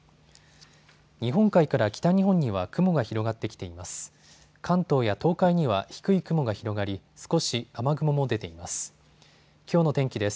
日本海から北日本には雲が広がってきています。